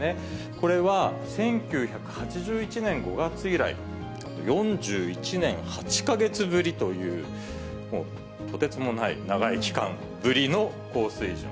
これは、１９８１年５月以来、４１年８か月ぶりという、とてつもない長い期間ぶりの高水準。